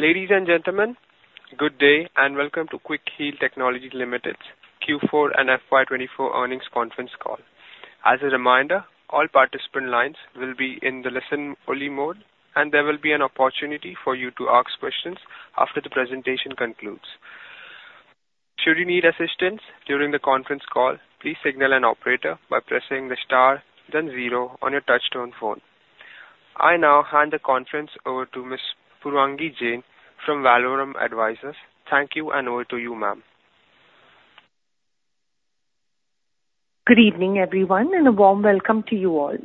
Ladies and gentlemen, good day, and welcome to Quick Heal Technologies Limited's Q4 and FY 2024 earnings conference call. As a reminder, all participant lines will be in the listen-only mode, and there will be an opportunity for you to ask questions after the presentation concludes. Should you need assistance during the conference call, please signal an operator by pressing the star then zero on your touchtone phone. I now hand the conference over to Ms. Purvangi Jain from Valorem Advisors. Thank you, and over to you, ma'am. Good evening, everyone, and a warm welcome to you all.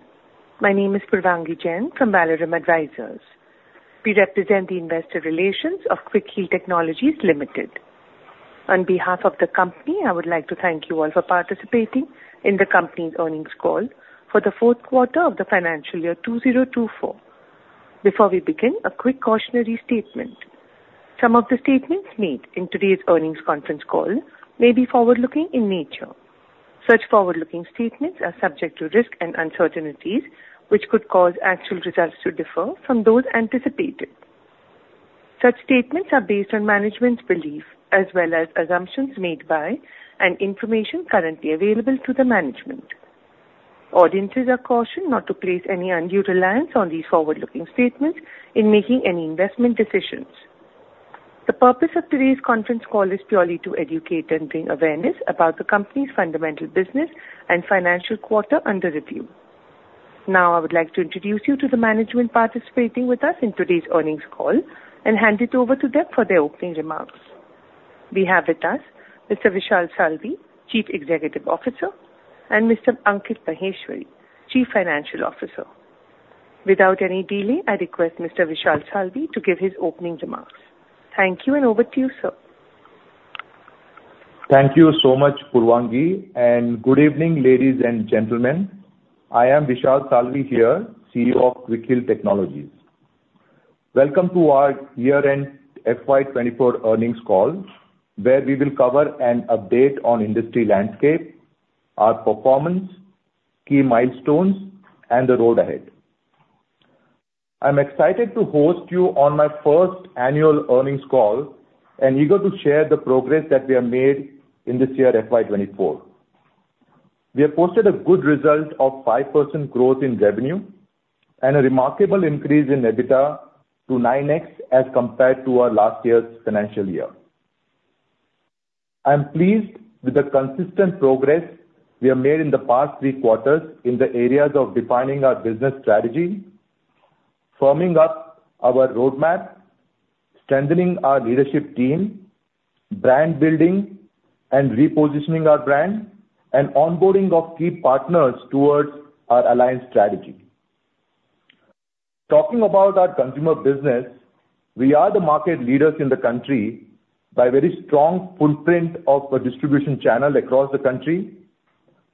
My name is Purvangi Jain from Valorem Advisors. We represent the investor relations of Quick Heal Technologies Limited. On behalf of the company, I would like to thank you all for participating in the company's earnings call for the fourth quarter of the financial year 2024. Before we begin, a quick cautionary statement. Some of the statements made in today's earnings conference call may be forward-looking in nature. Such forward-looking statements are subject to risks and uncertainties, which could cause actual results to differ from those anticipated. Such statements are based on management's belief as well as assumptions made by and information currently available to the management. Audiences are cautioned not to place any undue reliance on these forward-looking statements in making any investment decisions. The purpose of today's conference call is purely to educate and bring awareness about the company's fundamental business and financial quarter under review. Now, I would like to introduce you to the management participating with us in today's earnings call and hand it over to them for their opening remarks. We have with us Mr. Vishal Salvi, Chief Executive Officer, and Mr. Ankit Maheshwari, Chief Financial Officer. Without any delay, I request Mr. Vishal Salvi to give his opening remarks. Thank you, and over to you, sir. Thank you so much, Purvangi, and good evening, ladies and gentlemen. I am Vishal Salvi here, CEO of Quick Heal Technologies. Welcome to our year-end FY 2024 earnings call, where we will cover an update on industry landscape, our performance, key milestones, and the road ahead. I'm excited to host you on my first annual earnings call and eager to share the progress that we have made in this year, FY 2024. We have posted a good result of 5% growth in revenue and a remarkable increase in EBITDA to 9x as compared to our last year's financial year. I am pleased with the consistent progress we have made in the past three quarters in the areas of defining our business strategy, firming up our roadmap, strengthening our leadership team, brand building and repositioning our brand, and onboarding of key partners towards our alliance strategy. Talking about our consumer business, we are the market leaders in the country by very strong footprint of our distribution channel across the country,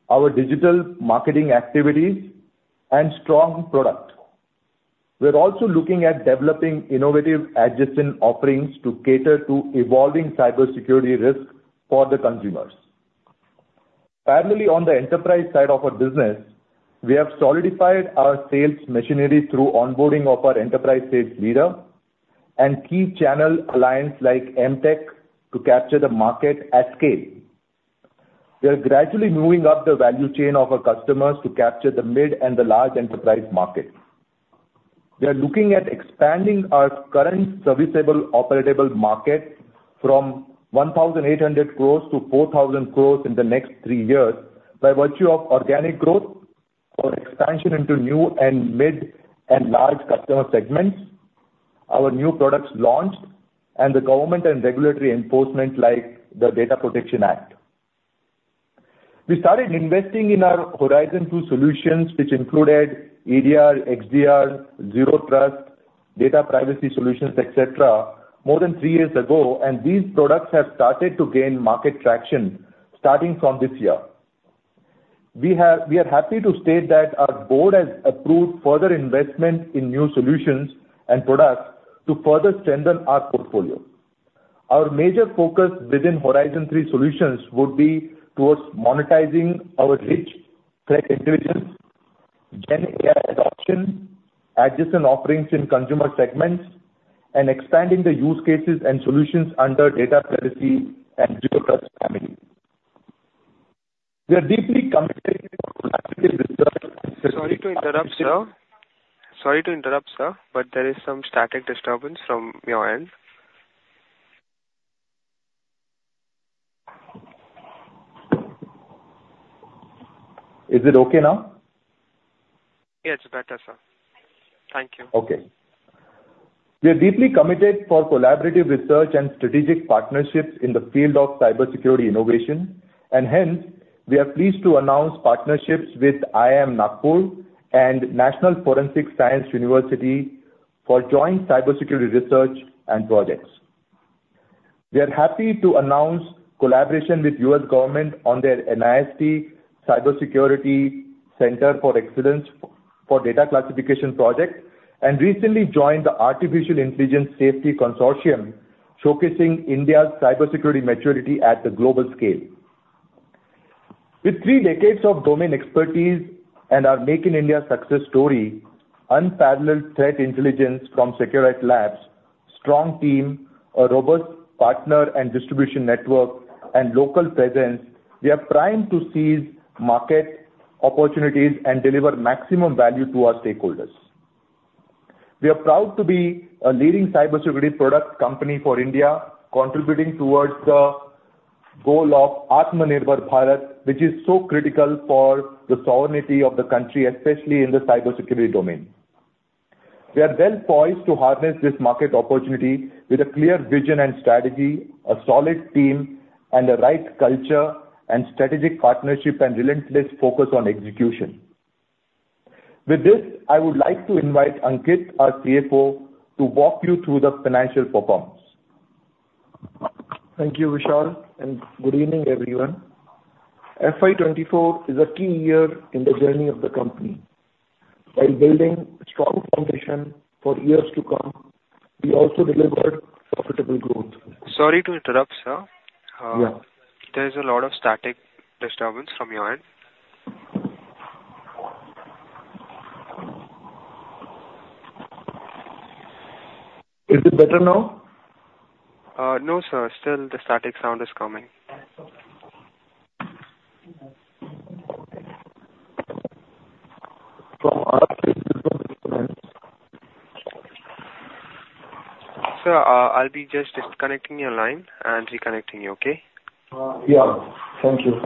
our digital marketing activities, and strong product. We're also looking at developing innovative adjacent offerings to cater to evolving cybersecurity risks for the consumers. Finally, on the enterprise side of our business, we have solidified our sales machinery through onboarding of our enterprise sales leader and key channel alliance like M. Tech to capture the market at scale. We are gradually moving up the value chain of our customers to capture the mid and the large enterprise market. We are looking at expanding our current serviceable, operatable market from 1,800 crores to 4,000 crores in the next three years, by virtue of organic growth or expansion into new and mid and large customer segments, our new products launched, and the government and regulatory enforcement, like the Data Protection Act. We started investing in our Horizon Two solutions, which included EDR, XDR, Zero Trust, data privacy solutions, et cetera, more than three years ago, and these products have started to gain market traction starting from this year. We are happy to state that our board has approved further investment in new solutions and products to further strengthen our portfolio. Our major focus within Horizon Three solutions would be towards monetizing our rich threat intelligence, GenAI adoption, adjacent offerings in consumer segments, and expanding the use cases and solutions under data privacy and Zero Trust family. We are deeply committed - Sorry to interrupt, sir. Sorry to interrupt, sir, but there is some static disturbance from your end. Is it okay now? Yeah, it's better, sir. Thank you. Okay. We are deeply committed to collaborative research and strategic partnerships in the field of cybersecurity innovation, and hence, we are pleased to announce partnerships with IIM Nagpur and National Forensic Sciences University for joint cybersecurity research and projects. We are happy to announce collaboration with U.S. government on their NIST Cybersecurity Center of Excellence for Data Classification project, and recently joined the U.S. AI Safety Institute Consortium, showcasing India's cybersecurity maturity at the global scale... With three decades of domain expertise and our Make in India success story, unparalleled threat intelligence from Seqrite Labs, strong team, a robust partner and distribution network and local presence, we are primed to seize market opportunities and deliver maximum value to our stakeholders. We are proud to be a leading cybersecurity product company for India, contributing towards the goal of Atmanirbhar Bharat, which is so critical for the sovereignty of the country, especially in the cybersecurity domain. We are well poised to harness this market opportunity with a clear vision and strategy, a solid team, and the right culture and strategic partnership and relentless focus on execution. With this, I would like to invite Ankit, our CFO, to walk you through the financial performance. Thank you, Vishal, and good evening, everyone. FY 2024 is a key year in the journey of the company. While building a strong foundation for years to come, we also delivered profitable growth. Sorry to interrupt, sir. Yeah. There is a lot of static disturbance from your end. Is it better now? No, sir. Still the static sound is coming. From our end it is okay. Sir, I'll be just disconnecting your line and reconnecting you, okay? Yeah. Thank you.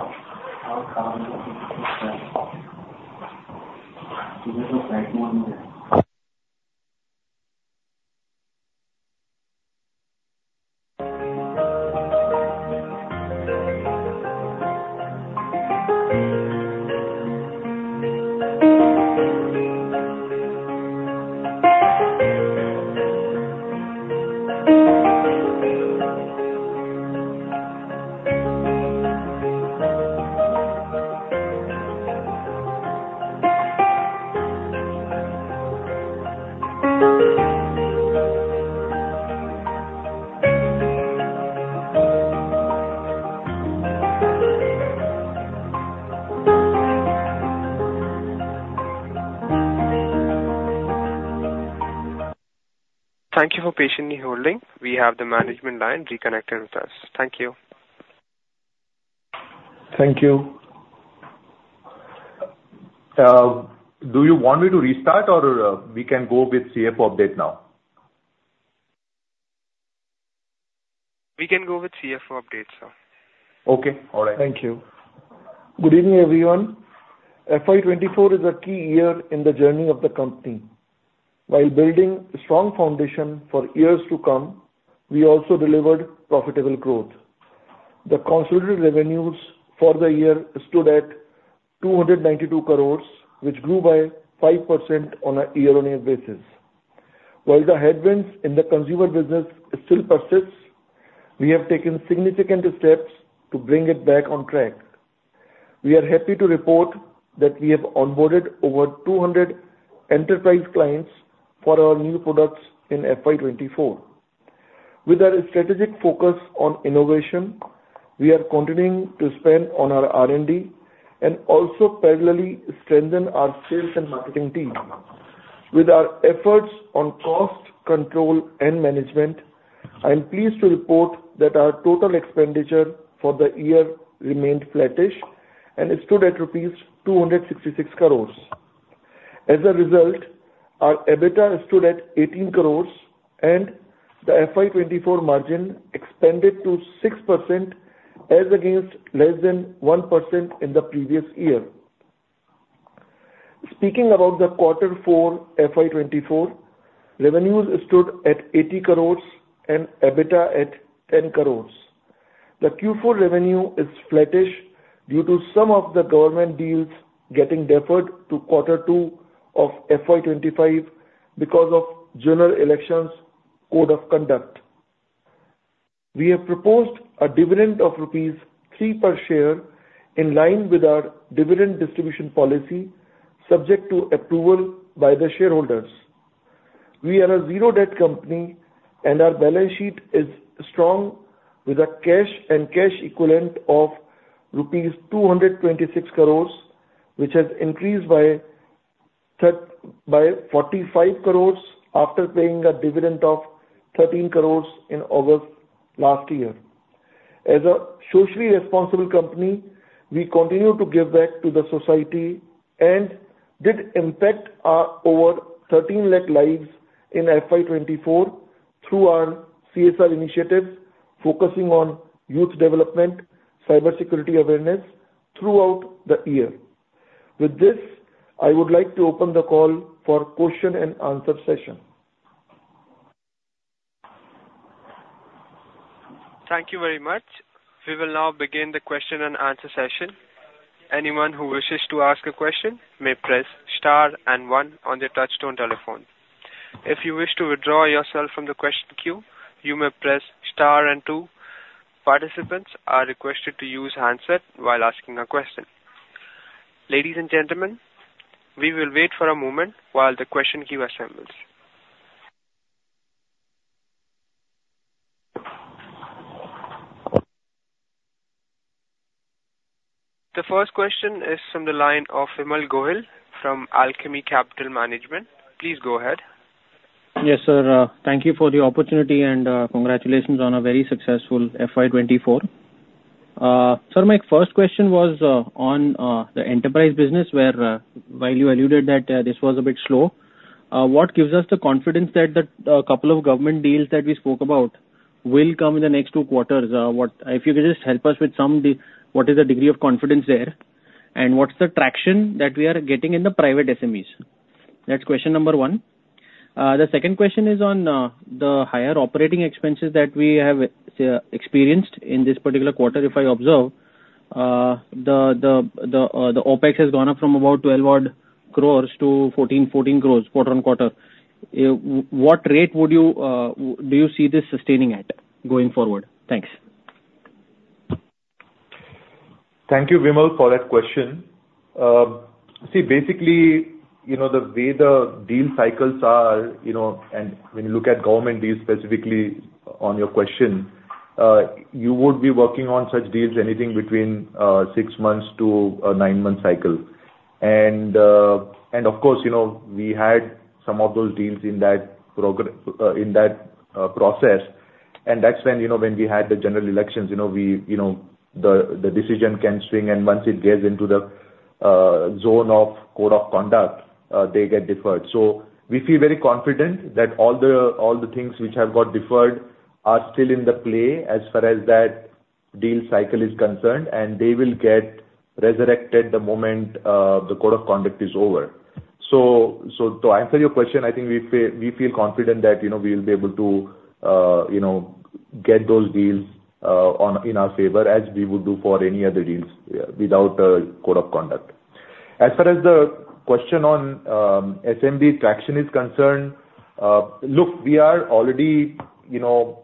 Thank you for patiently holding. We have the management line reconnected with us. Thank you. Thank you. Do you want me to restart, or we can go with CFO update now? We can go with CFO update, sir. Okay. All right. Thank you. Good evening, everyone. FY 2024 is a key year in the journey of the company. While building a strong foundation for years to come, we also delivered profitable growth. The consolidated revenues for the year stood at 292 crore, which grew by 5% on a year-on-year basis. While the headwinds in the consumer business still persists, we have taken significant steps to bring it back on track. We are happy to report that we have onboarded over 200 enterprise clients for our new products in FY 2024. With our strategic focus on innovation, we are continuing to spend on our R&D and also parallelly strengthen our sales and marketing team. With our efforts on cost control and management, I am pleased to report that our total expenditure for the year remained flattish and it stood at rupees 266 crore. As a result, our EBITDA stood at 18 crore and the FY 2024 margin expanded to 6% as against less than 1% in the previous year. Speaking about the quarter four, FY 2024, revenues stood at 80 crore and EBITDA at 10 crore. The Q4 revenue is flattish due to some of the government deals getting deferred to quarter two of FY 2025 because of general elections code of conduct. We have proposed a dividend of rupees 3 per share, in line with our dividend distribution policy, subject to approval by the shareholders. We are a zero-debt company, and our balance sheet is strong with a cash and cash equivalent of rupees 226 crore, which has increased by 45 crore after paying a dividend of 13 crore in August last year. As a socially responsible company, we continue to give back to the society and did impact over 13 lakh lives in FY 2024 through our CSR initiatives, focusing on youth development, cybersecurity awareness throughout the year. With this, I would like to open the call for question-and-answer session. Thank you very much. We will now begin the question-and-answer session. Anyone who wishes to ask a question may press star and one on their touchtone telephone. If you wish to withdraw yourself from the question queue, you may press star and two. Participants are requested to use handset while asking a question. Ladies and gentlemen, we will wait for a moment while the question queue assembles. The first question is from the line of Vimal Gohil from Alchemy Capital Management. Please go ahead. Yes, sir. Thank you for the opportunity, and congratulations on a very successful FY 2024. So my first question was on the enterprise business, where while you alluded that this was a bit slow. What gives us the confidence that the couple of government deals that we spoke about will come in the next two quarters? What - if you could just help us with some - what is the degree of confidence there, and what's the traction that we are getting in the private SMEs? That's question number one. The second question is on the higher operating expenses that we have experienced in this particular quarter. If I observe, the OpEx has gone up from about 12 odd crores to 14, 14 crores, quarter-on-quarter. What rate would you do you see this sustaining at, going forward? Thanks. Thank you, Vimal, for that question. See, basically, you know, the way the deal cycles are, you know, and when you look at government deals specifically on your question, you would be working on such deals anything between, six months to a 9-month cycle. And, and of course, you know, we had some of those deals in that process, and that's when, you know, when we had the general elections, you know, we, you know, the, the decision can swing, and once it gets into the, zone of code of conduct, they get deferred. So we feel very confident that all the, all the things which have got deferred are still in the play as far as that deal cycle is concerned, and they will get resurrected the moment, the code of conduct is over. So, to answer your question, I think we feel confident that, you know, we will be able to, you know, get those deals, in our favor, as we would do for any other deals, without a code of conduct. As far as the question on, SMB traction is concerned, look, we are already, you know,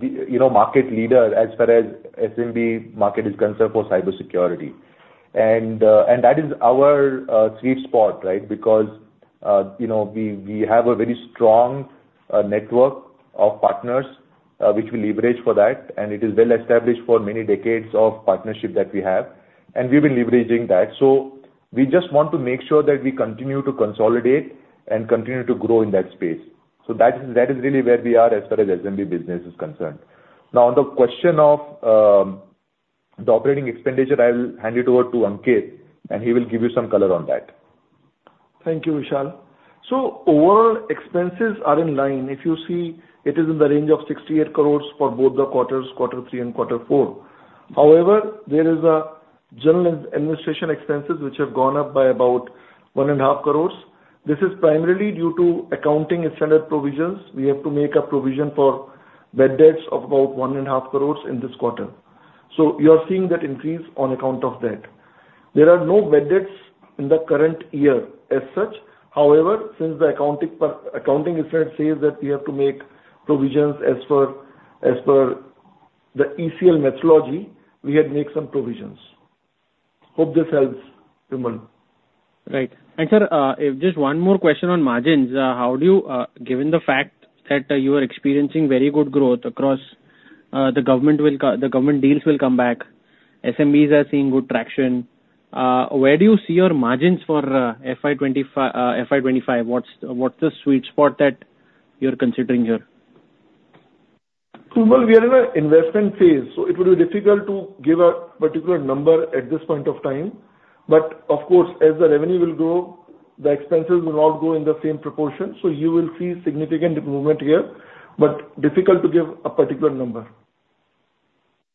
you know, market leader as far as SMB market is concerned for cybersecurity. And, and that is our, sweet spot, right? Because, you know, we, we have a very strong, network of partners, which we leverage for that, and it is well established for many decades of partnership that we have, and we've been leveraging that. So we just want to make sure that we continue to consolidate and continue to grow in that space. So that is, that is really where we are as far as SMB business is concerned. Now, on the question of the operating expenditure, I will hand it over to Ankit, and he will give you some color on that. Thank you, Vishal. So overall expenses are in line. If you see, it is in the range of 68 crore for both the quarters, quarter three and quarter four. However, there is a general administration expenses, which have gone up by about 1.5 crore. This is primarily due to accounting and standard provisions. We have to make a provision for bad debts of about 1.5 crore in this quarter, so you are seeing that increase on account of that. There are no bad debts in the current year as such. However, since the accounting effect says that we have to make provisions as per the ECL methodology, we had made some provisions. Hope this helps, Vimal. Right. And, sir, if just one more question on margins. How do you, given the fact that you are experiencing very good growth across the government deals will come back, SMBs are seeing good traction, where do you see your margins for FY 2025? What's the sweet spot that you're considering here? Vimal, we are in an investment phase, so it will be difficult to give a particular number at this point of time. But of course, as the revenue will grow, the expenses will not grow in the same proportion, so you will see significant movement here, but difficult to give a particular number.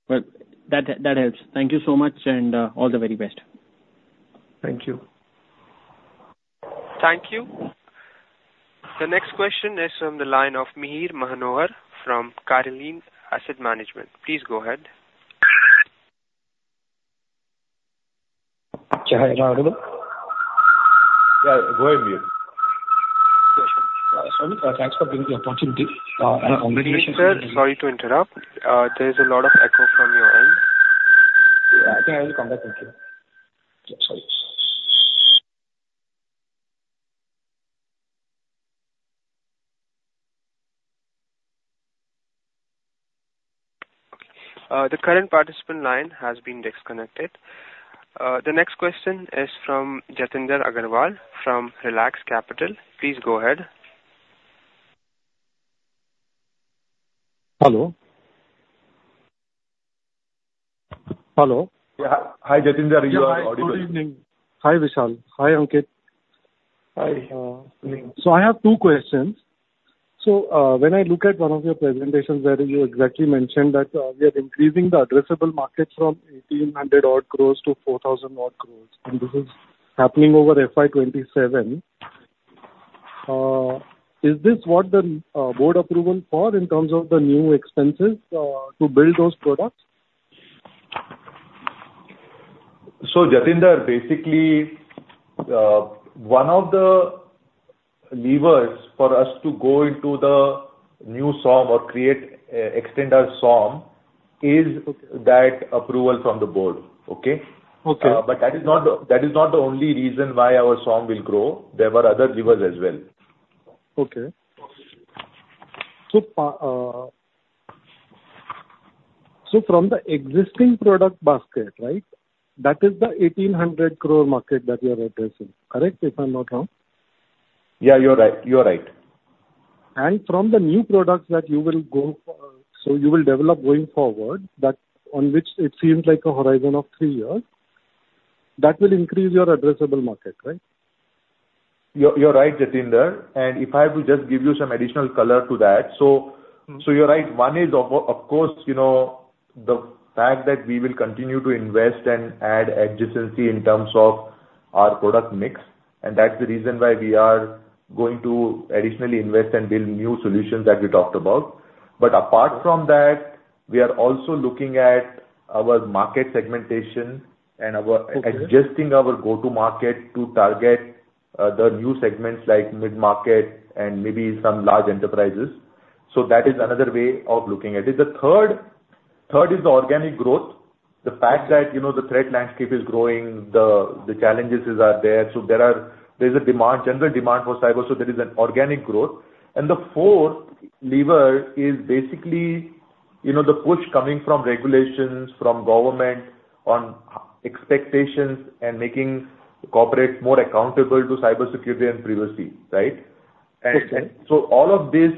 Well, that helps. Thank you so much, and all the very best. Thank you. Thank you. The next question is from the line of Mihir Manohar from Carnelian Asset Management. Please go ahead. Yeah, go ahead, Mihir. Sorry. Thanks for giving the opportunity. And- Mihir, sir, sorry to interrupt. There's a lot of echo from your end. Yeah, I think I will come back. Thank you. Yep, sorry. The current participant line has been disconnected. The next question is from Jatinder Agarwal from Relax Capital. Please go ahead. Hello? Hello. Yeah. Hi, Jatinder, you are audible. Yeah. Hi, good evening. Hi, Vishal. Hi, Ankit. Hi, good evening. So I have two questions. When I look at one of your presentations where you exactly mentioned that we are increasing the addressable market from 1,800-odd crores to 4,000-odd crores, and this is happening over FY 2027, is this what the board approval for in terms of the new expenses to build those products? So, Jatinder, basically, one of the levers for us to go into the new SOM or create, extend our SOM is that approval from the board. Okay? Okay. But that is not the only reason why our SOM will grow. There were other levers as well. Okay. So from the existing product basket, right? That is the 1,800 crore market that you are addressing. Correct, if I'm not wrong? Yeah, you're right. You are right. From the new products that you will go for, so you will develop going forward, that on which it seems like a horizon of three years, that will increase your addressable market, right? You're right, Jatinder. And if I have to just give you some additional color to that... So you're right. One is, of course, you know, the fact that we will continue to invest and add adjacency in terms of our product mix, and that's the reason why we are going to additionally invest and build new solutions that we talked about. But apart from that, we are also looking at our market segmentation and adjusting our go-to market to target the new segments like mid-market and maybe some large enterprises. So that is another way of looking at it. The third is the organic growth. The fact that, you know, the threat landscape is growing, the challenges are there, so there's a demand, general demand for cyber, so there is an organic growth. And the fourth lever is basically, you know, the push coming from regulations, from government on expectations and making corporates more accountable to cybersecurity and privacy, right? Okay. So all of this,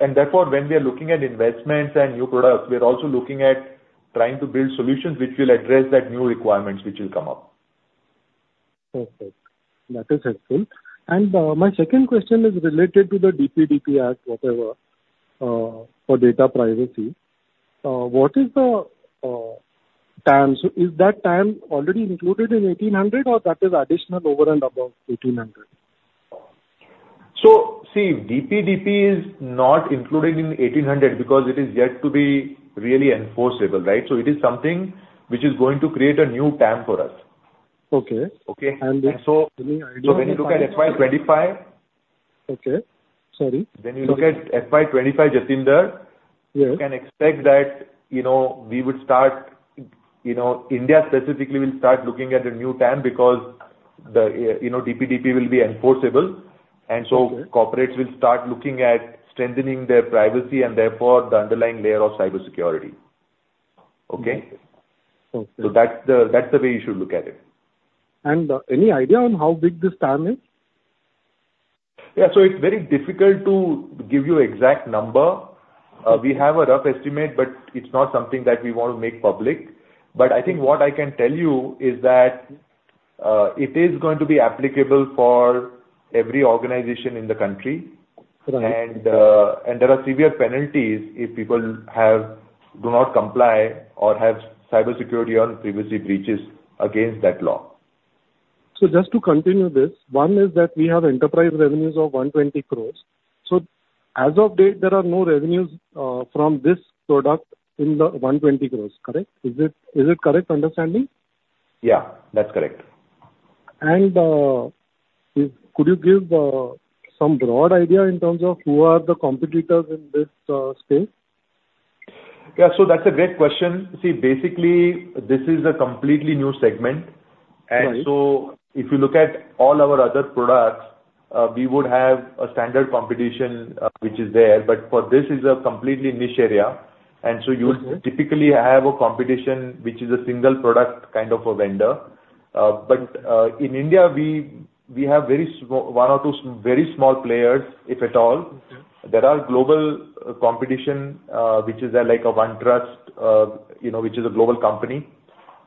and therefore, when we are looking at investments and new products, we are also looking at trying to build solutions which will address that new requirements which will come up. Perfect. That is helpful. And, my second question is related to the DPDP Act, whatever, for data privacy. What is the TAM? So is that TAM already included in 1,800 or that is additional over and above 1,800? So, see, DPDP is not included in 1800 because it is yet to be really enforceable, right? So it is something which is going to create a new TAM for us. When you look at FY 2025- Okay. Sorry. When you look at FY 2025, Jatinder. You can expect that, you know, we would start, you know, India specifically will start looking at a new TAM because the, you know, DPDP will be enforceable. And so corporates will start looking at strengthening their privacy and therefore the underlying layer of cybersecurity. Okay? Okay. That's the, that's the way you should look at it. Any idea on how big this TAM is? Yeah. It's very difficult to give you exact number. We have a rough estimate, but it's not something that we want to make public. But I think what I can tell you is that, it is going to be applicable for every organization in the country. And there are severe penalties if people do not comply or have cybersecurity or privacy breaches against that law. So just to continue this, one is that we have enterprise revenues of 120 crores. So as of date, there are no revenues, from this product in the 120 crores, correct? Is it, is it correct understanding? Yeah, that's correct. Could you give some broad idea in terms of who are the competitors in this space? Yeah. So that's a great question. See, basically, this is a completely new segment. And so if you look at all our other products, we would have a standard competition, which is there, but for this is a completely niche area. So you would typically have a competition, which is a single product, kind of a vendor. But in India, we have very small, one or two very small players, if at all. There are global competition, which is like a OneTrust, you know, which is a global company.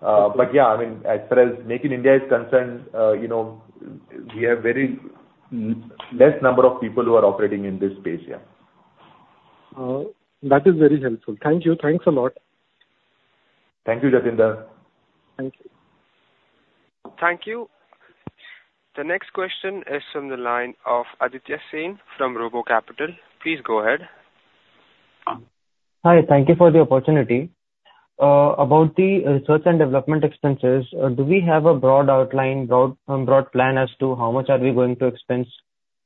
But yeah, I mean, as far as Make in India is concerned, you know, we have very less number of people who are operating in this space. Yeah. That is very helpful. Thank you. Thanks a lot. Thank you, Jatinder. Thank you. Thank you. The next question is from the line of Aditya Singh from Robo Capital. Please go ahead. Hi. Thank you for the opportunity. About the research and development expenses, do we have a broad outline, broad plan as to how much are we going to expense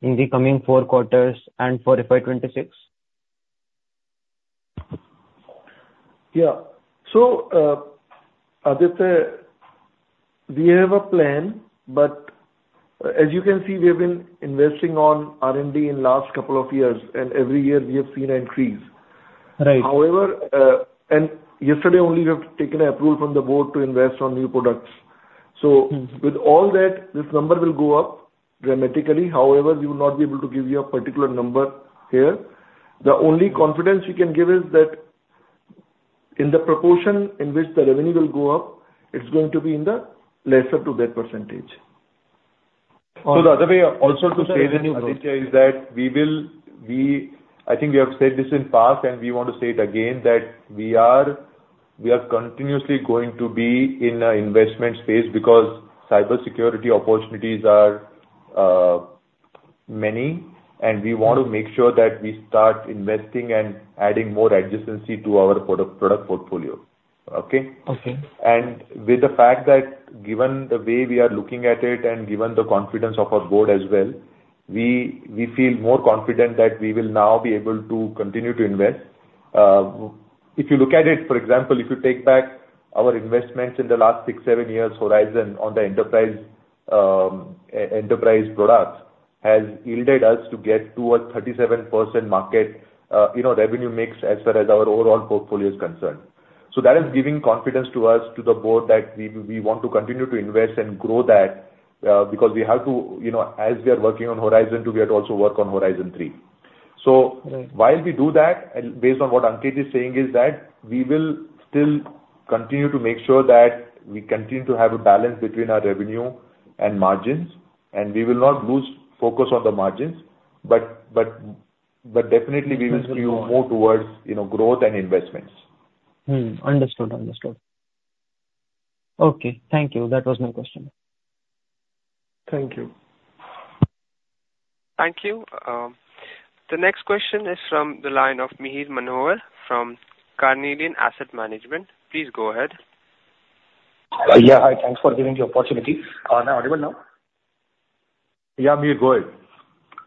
in the coming four quarters and for FY 2026? Yeah. So, Aditya, we have a plan, but as you can see, we have been investing on R&D in last couple of years, and every year we have seen an increase. However, and yesterday only, we have taken approval from the board to invest on new products. With all that, this number will go up dramatically. However, we will not be able to give you a particular number here. The only confidence we can give is that in the proportion in which the revenue will go up, it's going to be in the lesser to that percentage. So the other way also to say this, Aditya, is that we will, we—I think we have said this in past, and we want to say it again, that we are, we are continuously going to be in a investment space because cybersecurity opportunities are many, and we want to make sure that we start investing and adding more adjacency to our product, product portfolio. Okay? Okay. With the fact that given the way we are looking at it and given the confidence of our board as well, we feel more confident that we will now be able to continue to invest. If you look at it, for example, if you take back our investments in the last six-seven years horizon on the enterprise products, has yielded us to get to a 37% market, you know, revenue mix as far as our overall portfolio is concerned. So that is giving confidence to us, to the board, that we want to continue to invest and grow that, because we have to, you know, as we are working on Horizon two, we have to also work on Horizon three. So while we do that, and based on what Ankit is saying, is that we will still continue to make sure that we continue to have a balance between our revenue and margins, and we will not lose focus on the margins. But, but, but definitely we will skew more towards, you know, growth and investments. Understood. Okay. Thank you. That was my question. Thank you. Thank you. The next question is from the line of Mihir Manohar from Carnelian Asset Management. Please go ahead. Yeah. Hi. Thanks for giving the opportunity. Am I audible now? Yeah, Mihir, go ahead.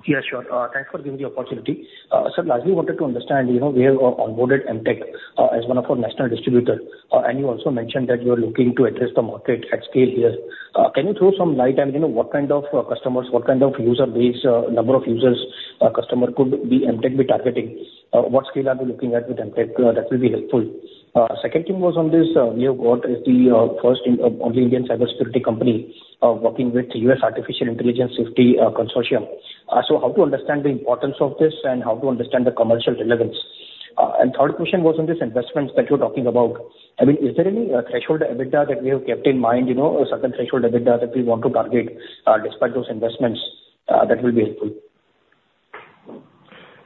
Yeah, sure. Thanks for giving the opportunity. So largely wanted to understand, you know, we have on boarded M. Tech, as one of our national distributor, and you also mentioned that you are looking to address the market at scale here. Can you throw some light on, you know, what kind of customers, what kind of user base, number of users, customer could be M. Tech be targeting? What scale are we looking at with M. Tech? That will be helpful. Second thing was on this, you have got the first in-only Indian cybersecurity company, working with U.S. Artificial Intelligence Safety Consortium. So how to understand the importance of this and how to understand the commercial relevance? And third question was on this investments that you're talking about. I mean, is there any threshold EBITDA that we have kept in mind, you know, or certain threshold EBITDA that we want to target, that will be helpful?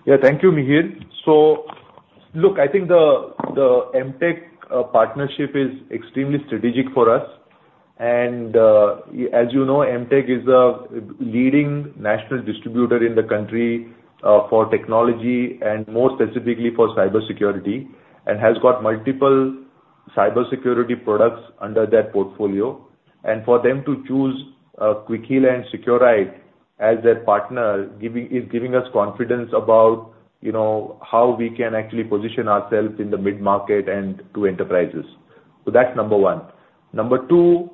Yeah. Thank you, Mihir. So look, I think the M. Tech partnership is extremely strategic for us. And as you know, M. Tech is a leading national distributor in the country for technology and more specifically for cybersecurity, and has got multiple cybersecurity products under their portfolio. And for them to choose Quick Heal and Seqrite as their partner, is giving us confidence about, you know, how we can actually position ourselves in the mid-market and to enterprises. So that's number one. Number two,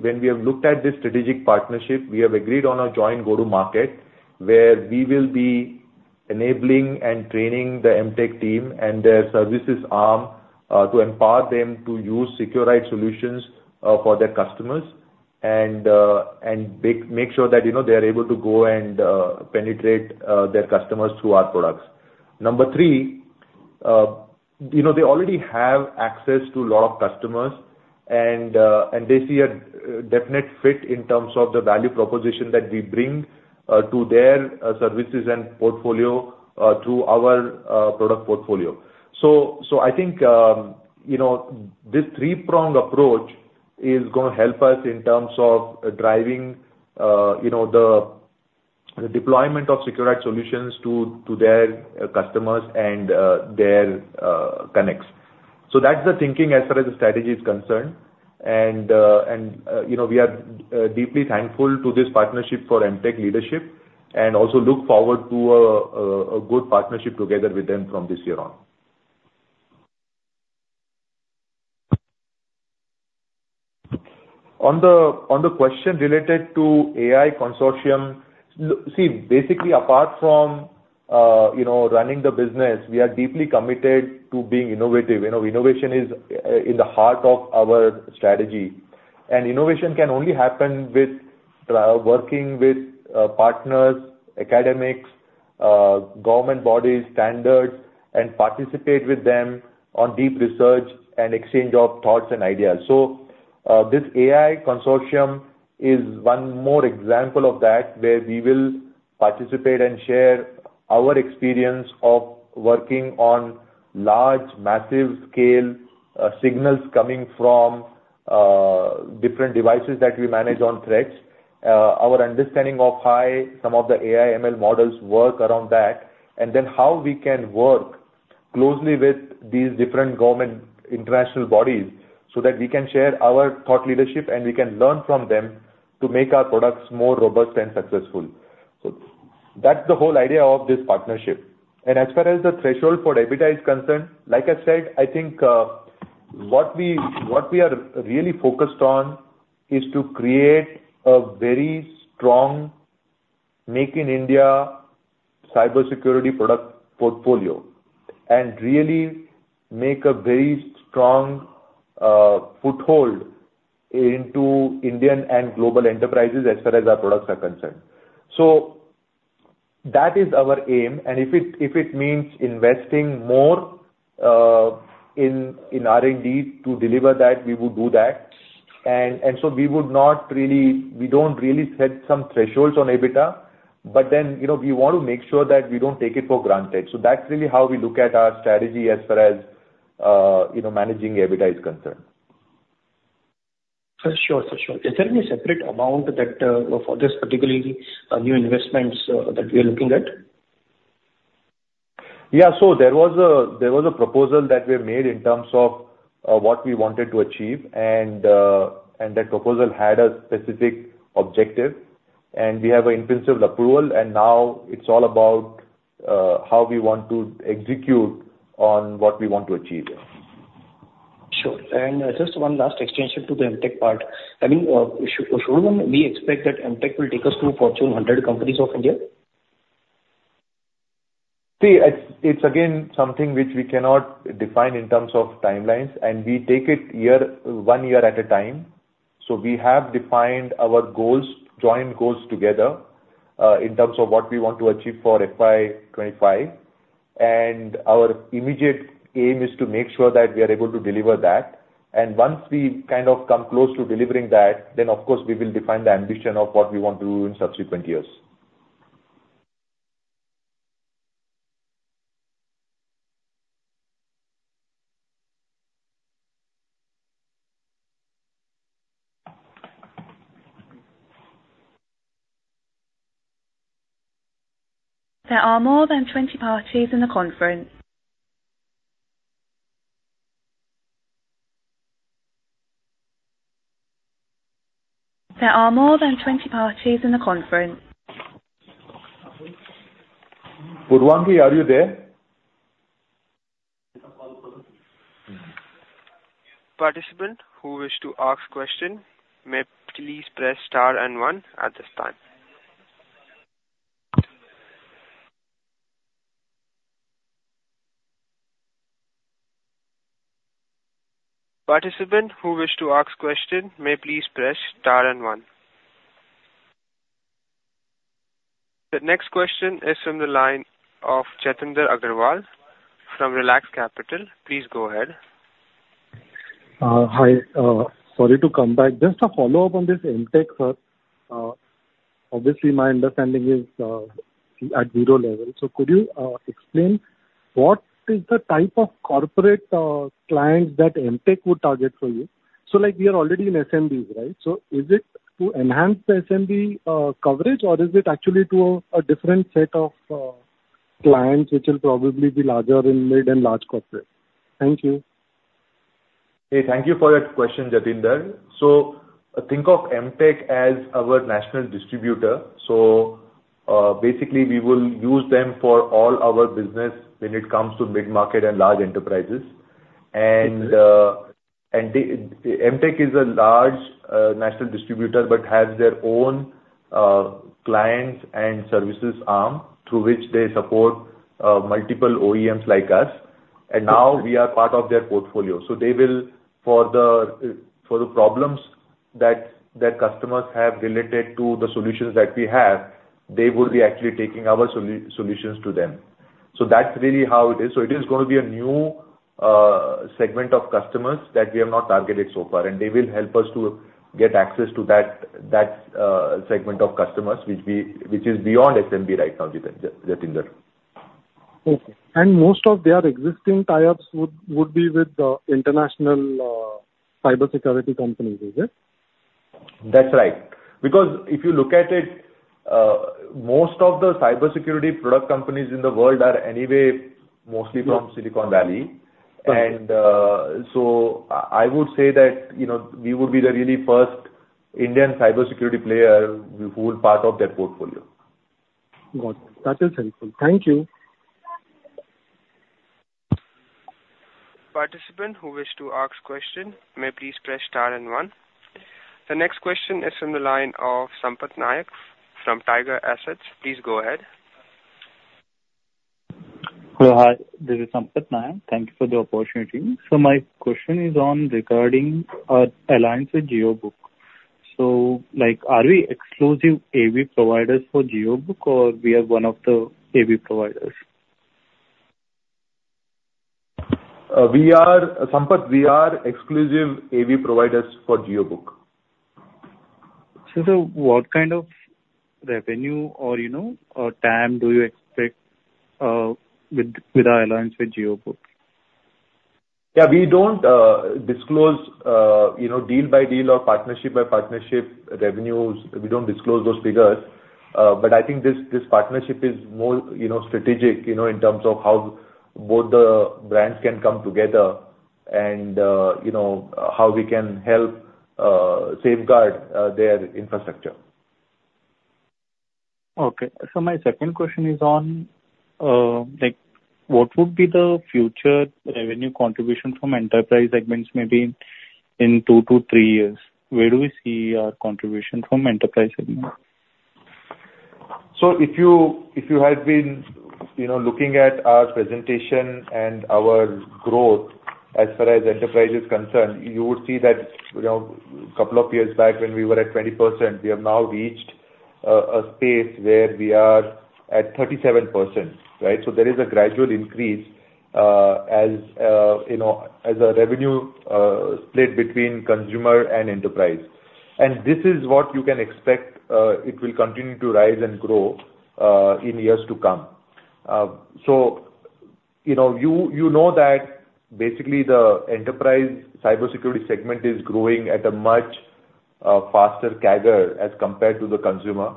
when we have looked at this strategic partnership, we have agreed on a joint go-to-market, where we will be enabling and training the M. Tech team and their services arm, to empower them to use Seqrite solutions, for their customers and, and make sure that, you know, they are able to go and penetrate their customers through our products. Number three, you know, they already have access to a lot of customers, and, and they see a definite fit in terms of the value proposition that we bring, to their services and portfolio, through our product portfolio. So I think, you know, this three-pronged approach is gonna help us in terms of driving, you know, the deployment of Seqrite solutions to their customers and their connects. So that's the thinking as far as the strategy is concerned. And, and, you know, we are, deeply thankful to this partnership for M. Tech leadership, and also look forward to a, a good partnership together with them from this year on. On the question related to AI consortium, basically, apart from, you know, running the business, we are deeply committed to being innovative. You know, innovation is, in the heart of our strategy. And innovation can only happen with, working with, partners, academics, government bodies, standards, and participate with them on deep research and exchange of thoughts and ideas. So, this AI consortium is one more example of that, where we will participate and share our experience of working on large, massive scale, signals coming from, different devices that we manage on threats. Our understanding of how some of the AI, ML models work around that, and then how we can work closely with these different government international bodies, so that we can share our thought leadership, and we can learn from them to make our products more robust and successful. So that's the whole idea of this partnership. And as far as the threshold for EBITDA is concerned, like I said, I think, what we are really focused on is to create a very strong Make in India cybersecurity product portfolio, and really make a very strong foothold into Indian and global enterprises as far as our products are concerned. So that is our aim, and if it means investing more in R&D to deliver that, we will do that. And so we don't really set some thresholds on EBITDA, but then, you know, we want to make sure that we don't take it for granted. So that's really how we look at our strategy as far as, you know, managing EBITDA is concerned. For sure. For sure. Is there any separate amount that, for this particularly, new investments, that we are looking at? Yeah, so there was a, there was a proposal that we made in terms of what we wanted to achieve, and, and that proposal had a specific objective, and we have an in-principle approval, and now it's all about how we want to execute on what we want to achieve. Sure. And just one last extension to the M. Tech part. I mean, should we expect that M. Tech will take us to Fortune 100 companies of India? See, it's, it's again, something which we cannot define in terms of timelines, and we take it year, one year at a time. So we have defined our goals, joint goals together, in terms of what we want to achieve for FY 2025. And our immediate aim is to make sure that we are able to deliver that. And once we kind of come close to delivering that, then of course, we will define the ambition of what we want to do in subsequent years. There are more than 20 parties in the conference. There are more than 20 parties in the conference. Purvangi, are you there? Participants who wish to ask question, may please press star and one at this time. Participants who wish to ask question, may please press star and one. The next question is from the line of Jatinder Agarwal from Relax Capital. Please go ahead. Hi. Sorry to come back. Just a follow-up on this M. Tech, sir. Obviously, my understanding is at zero level. So could you explain what is the type of corporate clients that M. Tech would target for you? So, like, we are already in SMBs, right? So is it to enhance the SMB coverage, or is it actually to a different set of clients, which will probably be larger in mid and large corporate? Thank you. Hey, thank you for that question, Jatinder. So think of M. Tech as our national distributor. So, basically, we will use them for all our business when it comes to mid-market and large enterprises. And the, M. Tech is a large, national distributor, but has their own, clients and services arm, through which they support, multiple OEMs like us, and now we are part of their portfolio. So they will, for the, for the problems that their customers have related to the solutions that we have, they will be actually taking our solutions to them. So that's really how it is. So it is going to be a new, segment of customers that we have not targeted so far, and they will help us to get access to that, segment of customers, which is beyond SMB right now, Jatinder. Okay. Most of their existing tie-ups would be with the international cybersecurity companies, is it? That's right. Because if you look at it, most of the cybersecurity product companies in the world are anyway mostly from Silicon Valley. I would say that, you know, we would be the really first Indian cybersecurity player who are part of that portfolio. Got it. That is helpful. Thank you. Participants who wish to ask a question may please press star and one. The next question is from the line of Sampath Nayak from Tiger Assets. Please go ahead. Hello, hi, this is Sampath Nayak. Thank you for the opportunity. My question is on, regarding our alliance with JioBook. Like, are we exclusive AV providers for JioBook, or we are one of the AV providers? Sampath, we are exclusive AV providers for JioBook. So, sir, what kind of revenue or, you know, or TAM do you expect, with our alliance with JioBook? Yeah, we don't disclose, you know, deal by deal or partnership by partnership revenues. We don't disclose those figures. But I think this partnership is more, you know, strategic, you know, in terms of how both the brands can come together and, you know, how we can help safeguard their infrastructure. Okay. So my second question is on, like, what would be the future revenue contribution from enterprise segments, maybe in 2-3 years? Where do we see our contribution from enterprise segment? So if you, if you had been, you know, looking at our presentation and our growth as far as enterprise is concerned, you would see that, you know, couple of years back when we were at 20%, we have now reached a space where we are at 37%, right? So there is a gradual increase, as, you know, as a revenue split between consumer and enterprise. And this is what you can expect, it will continue to rise and grow in years to come. So, you know, you, you know that basically the enterprise cybersecurity segment is growing at a much faster CAGR as compared to the consumer.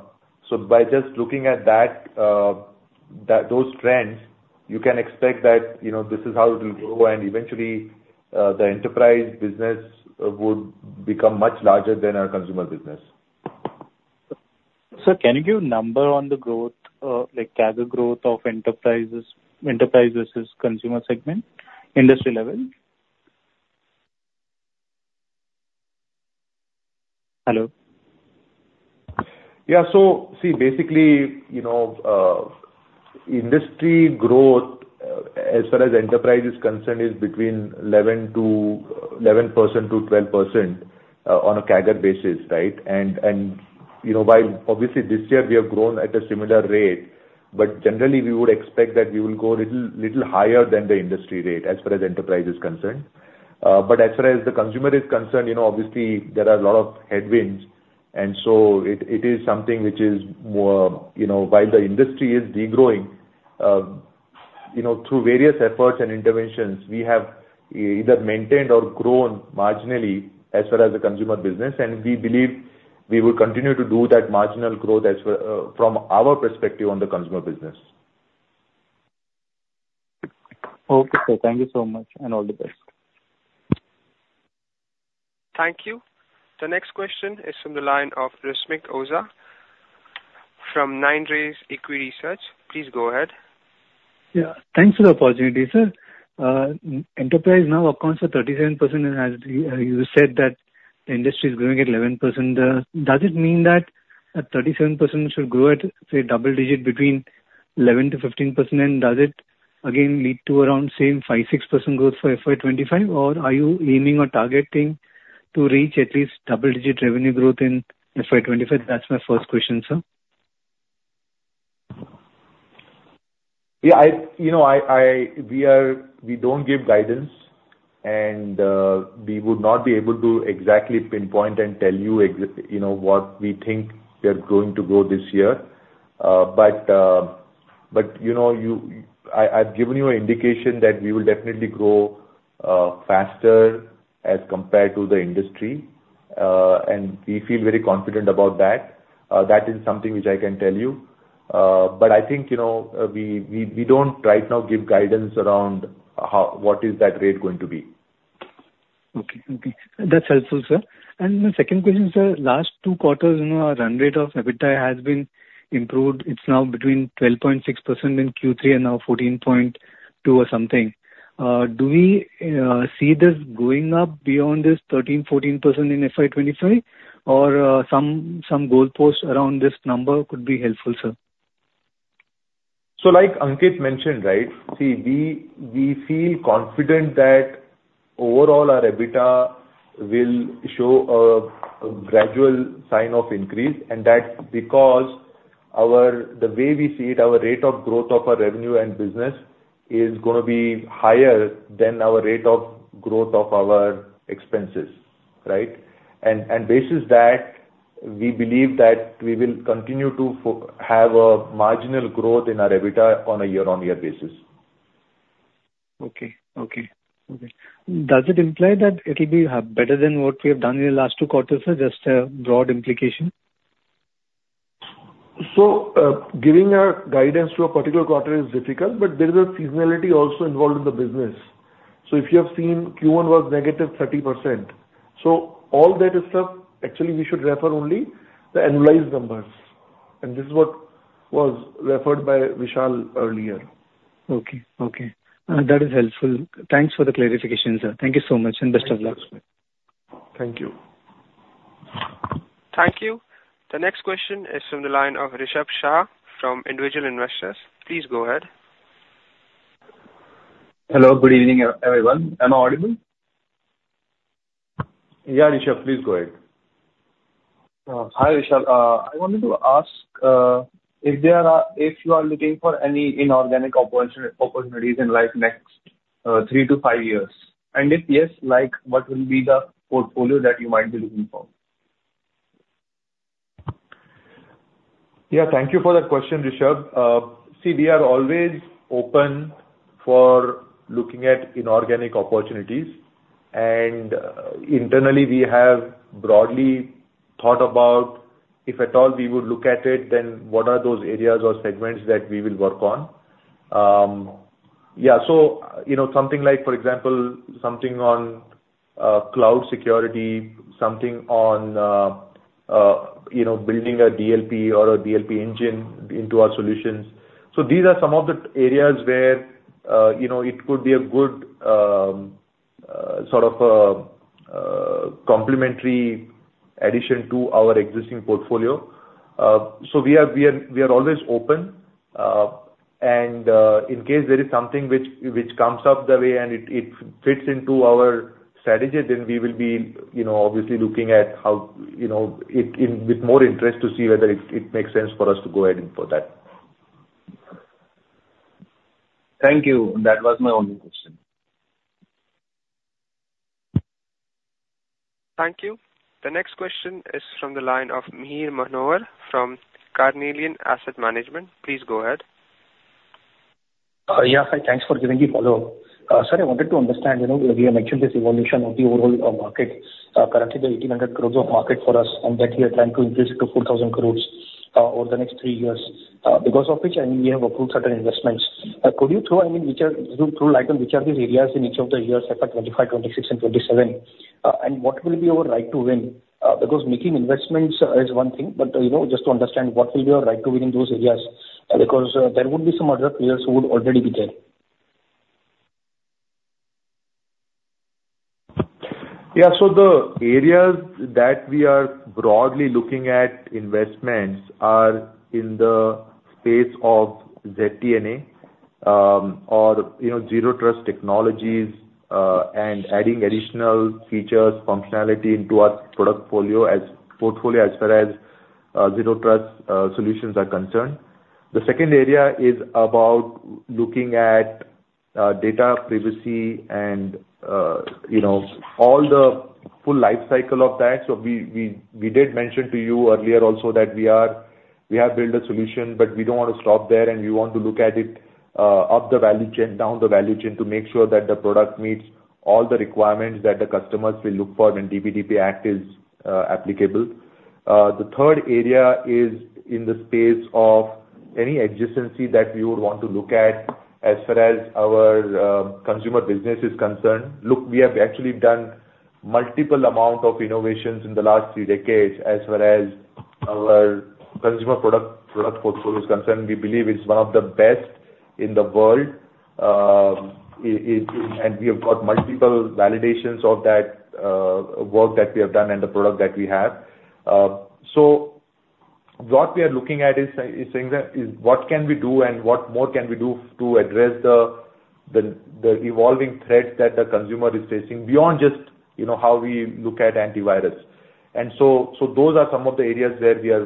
So by just looking at that, those trends, you can expect that, you know, this is how it will grow, and eventually, the enterprise business would become much larger than our consumer business. Sir, can you give a number on the growth, like, CAGR growth of enterprises, enterprise versus consumer segment, industry level? Hello? Yeah. So see, basically, you know, industry growth, as far as enterprise is concerned, is between 11%-12%, on a CAGR basis, right? And you know, while obviously this year we have grown at a similar rate, but generally we would expect that we will go little, little higher than the industry rate as far as enterprise is concerned. But as far as the consumer is concerned, you know, obviously there are a lot of headwinds, and so it is something which is more, you know, while the industry is degrowing, you know, through various efforts and interventions, we have either maintained or grown marginally as far as the consumer business. And we believe we will continue to do that marginal growth as well, from our perspective on the consumer business. Okay, sir. Thank you so much, and all the best. Thank you. The next question is from the line of Rusmik Oza from 9rays Equiresearch. Please go ahead. Yeah. Thanks for the opportunity, sir. Enterprise now accounts for 37%, and as you, you said that the industry is growing at 11%. Does it mean that at 37% it should grow at, say, double-digit between 11%-15%? And does it again lead to around same 5%-6% growth for FY 2025, or are you aiming or targeting to reach at least double-digit revenue growth in FY 2025? That's my first question, sir. Yeah, you know, we are, we don't give guidance, and we would not be able to exactly pinpoint and tell you exactly, you know, what we think we are going to grow this year. But you know, I've given you an indication that we will definitely grow faster as compared to the industry, and we feel very confident about that. That is something which I can tell you. But I think, you know, we don't right now give guidance around how, what is that rate going to be. Okay. Okay. That's helpful, sir. My second question, sir: last two quarters, you know, our run rate of EBITDA has been improved. It's now between 12.6% in Q3 and now 14.2% or something. Do we see this going up beyond this 13%-14% in FY 2023? Or some goalpost around this number could be helpful, sir. So, like Ankit mentioned, right, see, we feel confident that overall our EBITDA will show a gradual sign of increase, and that's because our... The way we see it, our rate of growth of our revenue and business is gonna be higher than our rate of growth of our expenses, right? And basis that, we believe that we will continue to have a marginal growth in our EBITDA on a year-on-year basis. Okay. Does it imply that it'll be better than what we have done in the last two quarters, sir, just a broad implication? So, giving a guidance to a particular quarter is difficult, but there is a seasonality also involved in the business. So if you have seen, Q1 was negative 30%, so all that stuff, actually we should refer only the annualized numbers, and this is what was referred by Vishal earlier. Okay, that is helpful. Thanks for the clarification, sir. Thank you so much, and best of luck. Thank you. Thank you. The next question is from the line of Rishabh Shah from Individual Investors. Please go ahead. Hello, good evening, everyone. Am I audible? Yeah, Rishabh, please go ahead. Hi, Rishabh. I wanted to ask, if you are looking for any inorganic opportunity, opportunities in like next 3-5 years. And if yes, like, what will be the portfolio that you might be looking for? Yeah, thank you for that question, Rishabh. See, we are always open for looking at inorganic opportunities, and internally we have broadly thought about, if at all we would look at it, then what are those areas or segments that we will work on? Yeah, so, you know, something like, for example, something on cloud security, something on, you know, building a DLP or a DLP engine into our solutions. So these are some of the areas where, you know, it could be a good sort of complementary addition to our existing portfolio. So we are always open, and in case there is something which comes up the way and it fits into our strategy, then we will be, you know, obviously looking at how, you know, it in with more interest to see whether it makes sense for us to go ahead in for that. Thank you. That was my only question. Thank you. The next question is from the line of Mihir Manohar from Carnelian Asset Management. Please go ahead. Yeah, hi, thanks for giving the follow-up. Sir, I wanted to understand, you know, we have mentioned this evolution of the overall market, currently the 1,800 crore market for us, and that we are trying to increase it to 4,000 crore, over the next three years, because of which, I mean, we have approved certain investments. Could you throw, I mean, which are, you throw light on which are these areas in each of the years, FY 2025, 2026 and 2027? And what will be your right to win? Because making investments is one thing, but, you know, just to understand, what will be your right to win in those areas, because there would be some other players who would already be there. Yeah. So the areas that we are broadly looking at investments are in the space of ZTNA, or, you know, zero trust technologies, and adding additional features, functionality into our product folio as, portfolio as far as, zero trust, solutions are concerned. The second area is about looking at, data privacy and, you know, all the full life cycle of that. So we did mention to you earlier also that we are, we have built a solution, but we don't want to stop there, and we want to look at it, up the value chain, down the value chain, to make sure that the product meets all the requirements that the customers will look for when DPDP Act is, applicable. The third area is in the space of any adjacency that we would want to look at as far as our consumer business is concerned. Look, we have actually done multiple amount of innovations in the last three decades as far as our consumer product, product portfolio is concerned. We believe it's one of the best in the world. And we have got multiple validations of that work that we have done and the product that we have. So what we are looking at is saying that, what can we do and what more can we do to address the evolving threats that the consumer is facing beyond just, you know, how we look at antivirus? So those are some of the areas where we are.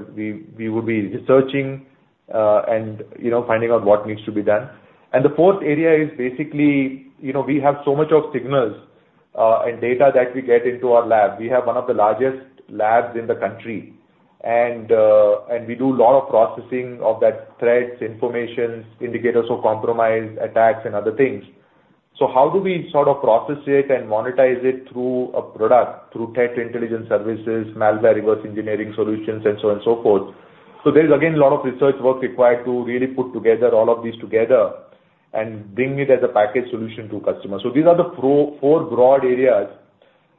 We will be researching, and, you know, finding out what needs to be done. The fourth area is basically, you know, we have so much of signals, and data that we get into our lab. We have one of the largest labs in the country, and we do a lot of processing of those threats, information, indicators of compromise, attacks, and other things. So how do we sort of process it and monetize it through a product, through threat intelligence services, malware, reverse engineering solutions, and so on and so forth? So there is, again, a lot of research work required to really put together all of these together and bring it as a package solution to customers. These are the four broad areas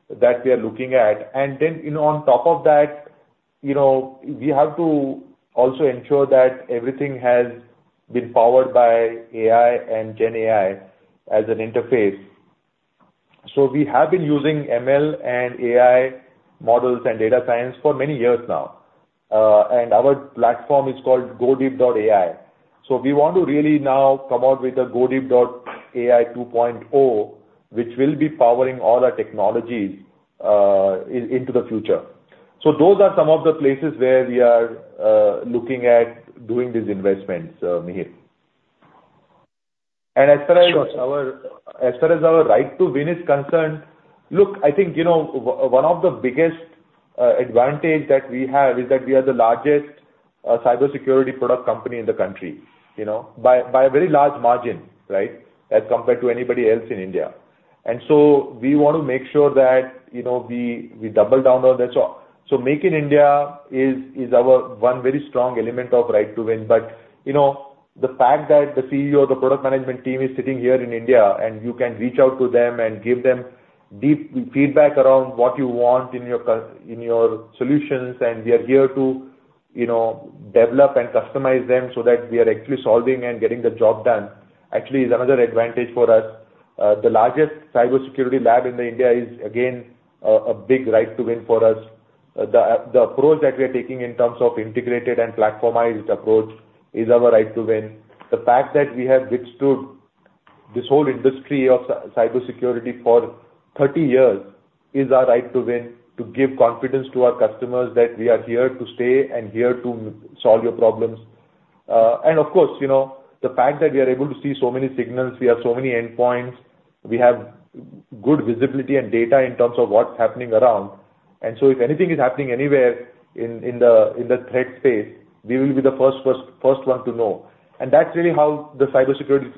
that we are looking at. And then, you know, on top of that, you know, we have to also ensure that everything has been powered by AI and GenAI as an interface. So we have been using ML and AI models and data science for many years now. And our platform is called GoDeep.AI. So we want to really now come out with a GoDeep.AI 2.0, which will be powering all our technologies into the future. So those are some of the places where we are looking at doing these investments, Mihir. And as far as our, as far as our right to win is concerned, look, I think, you know, one of the biggest advantage that we have is that we are the largest cybersecurity product company in the country, you know, by, by a very large margin, right? As compared to anybody else in India. We want to make sure that, you know, we double down on that. Make in India is our one very strong element of right to win. But, you know, the fact that the CEO of the product management team is sitting here in India, and you can reach out to them and give them deep feedback around what you want in your solutions, and we are here to, you know, develop and customize them so that we are actually solving and getting the job done, actually is another advantage for us. The largest cybersecurity lab in India is again a big right to win for us. The approach that we are taking in terms of integrated and platformized approach is our right to win. The fact that we have withstood this whole industry of cybersecurity for 30 years is our right to win, to give confidence to our customers that we are here to stay and here to solve your problems. And of course, you know, the fact that we are able to see so many signals, we have so many endpoints, we have good visibility and data in terms of what's happening around. And so if anything is happening anywhere in the threat space, we will be the first one to know. And that's really how the cybersecurity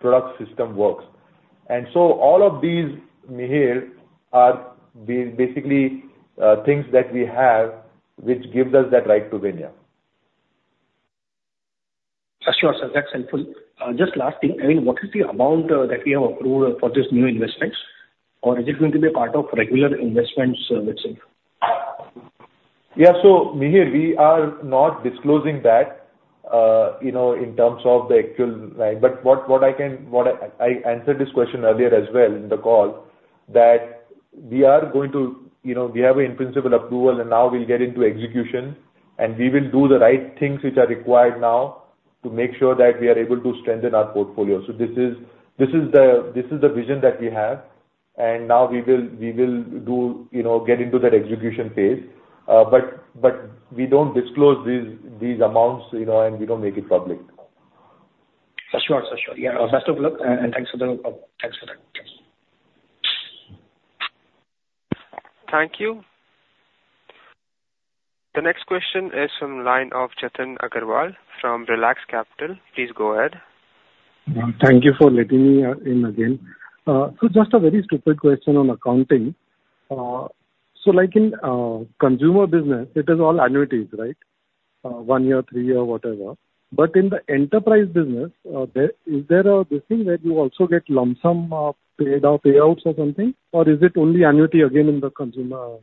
product system works. And so all of these, Mihir, are basically things that we have, which gives us that right to win, yeah. Sure, sir, that's helpful. Just last thing. I mean, what is the amount that we have approved for this new investments, or is it going to be a part of regular investments, let's say? Yeah. So Mihir, we are not disclosing that, you know, in terms of the actual... But what I can, I answered this question earlier as well in the call, that we are going to, you know, we have an in-principle approval, and now we'll get into execution, and we will do the right things which are required now to make sure that we are able to strengthen our portfolio. So this is, this is the vision that we have, and now we will, we will do, you know, get into that execution phase. But we don't disclose these amounts, you know, and we don't make it public. Sure, sir. Sure. Yeah, best of luck, and thanks for the, thanks for the time. Thank you. The next question is from the line of Jatinder Agarwal from Relax Capital. Please go ahead. Thank you for letting me in again. So just a very stupid question on accounting. So like in consumer business, it is all annuities, right? One year, three year, whatever. But in the enterprise business, is there this thing where you also get lump sum paid out, payouts or something? Or is it only annuity again in the consumer,